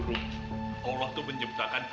allah tuh menyebutkan